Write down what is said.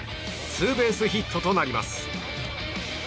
ツーベースヒットとなります。